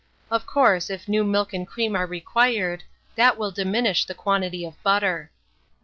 Of course, if new milk and cream are required, that will diminish the quantity of butter.